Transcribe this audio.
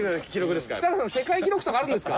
北浦さん世界記録とかあるんですか？